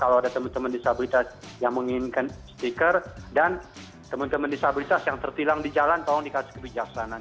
kalau ada teman teman disabilitas yang menginginkan stiker dan teman teman disabilitas yang tertilang di jalan tolong dikasih kebijaksanaan